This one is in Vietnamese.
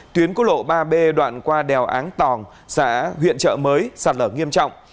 tuyến cú lộ ba b đoạn qua đèo áng tòng xã huyện trợ mới sạt lở nghiêm trọng